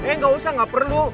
eh gak usah gak perlu